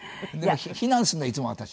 避難するのはいつも私。